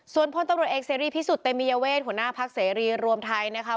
ส่วนพลตำรวจเอกเสรีพิสุทธิ์เตมียเวทหัวหน้าพักเสรีรวมไทยนะคะ